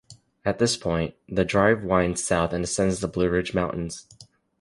At this point, the drive winds south and ascends the Blue Ridge Mountains.